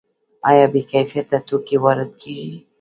آیا بې کیفیته توکي وارد کیږي؟